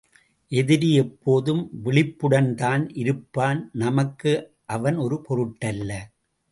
எதிரி எப்போதும் விழிப்புடன்தான் இருப்பான்!... நமக்கு அவன் ஒரு பொருட்டல்ல!